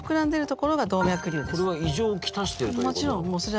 これは異常を来してるということか？